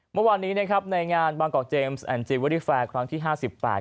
เมื่อวานนี้นะครับในงานบางกอกเจมส์แอนจีเวอรี่แฟร์ครั้งที่ห้าสิบแปด